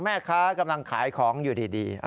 แม่ค้ากำลังขายของอยู่ดี